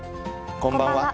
こんばんは。